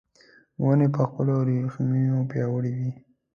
ونې په خپلو رېښو پیاوړې وي .